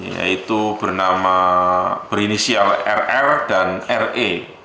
yaitu bernama berinisial rr dan re